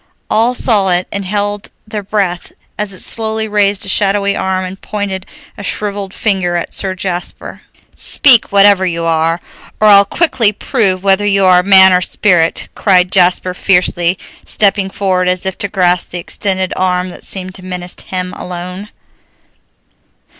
All saw it and held their breath as it slowly raised a shadowy arm and pointed a shriveled finger at Sir Jasper. "Speak, whatever you are, or I'll quickly prove whether you are man or spirit!" cried Jasper fiercely, stepping forward as if to grasp the extended arm that seemed to menace him alone.